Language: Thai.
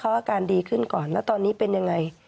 อาการดีขึ้นก่อนแล้วตอนนี้เป็นยังไง